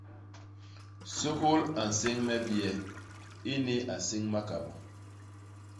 Sôgôl a nséñ me bie; ini a nséñ makabô.